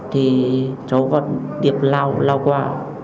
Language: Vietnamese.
thì cháu còn điệp lao qua